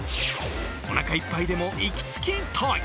おなかいっぱいでも行き着きたい！